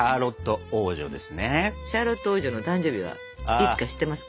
シャーロット王女の誕生日はいつか知ってますか？